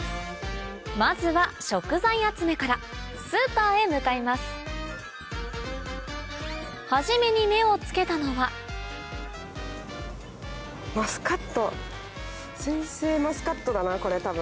まずは食材集めからスーパーへ向かいます初めに目を付けたのは先生マスカットだなこれ多分。